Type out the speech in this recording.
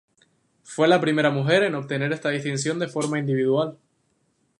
Fue la primera mujer en obtener esta distinción de forma individual.